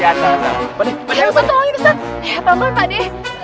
ya apa apa mbak de